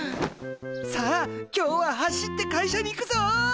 さあ今日は走って会社に行くぞ！